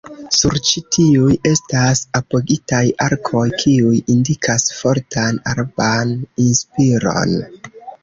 Sur ĉi tiuj estas apogitaj arkoj kiuj indikas fortan araban inspiron.